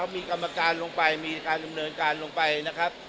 มีกรรมการลงไปมีการดำเนินการลงไปนะครับ